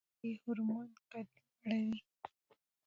د ودې هورمون قد لوړوي